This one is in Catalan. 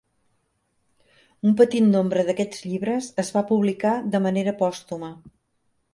Un petit nombre d'aquests llibres es va publicar de manera pòstuma.